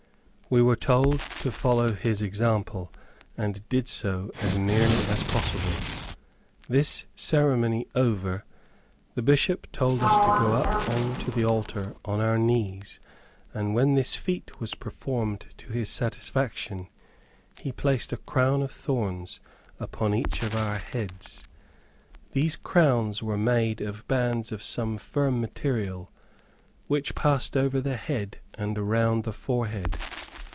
We were told to follow his example, and did so, as nearly as possible. This ceremony over, the Bishop told us to go up on to the altar on our knees, and when this feat was performed to his satisfaction, he placed a crown of thorns upon each of our heads. These crowns were made of bands of some firm material, which passed over the head and around the forehead.